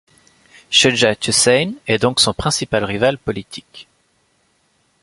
Shujaat Hussain est donc son principal rival politique.